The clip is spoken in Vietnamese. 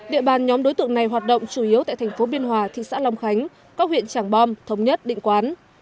địa bàn nhóm đối tượng này hoạt động chủ yếu tại thành phố biên hòa thị xã long khánh các huyện trảng bom thống nhất định quán